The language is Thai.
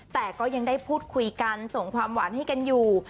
แต่ก็ยังได้พูดคุยกันส่งความหวานให้กันอยู่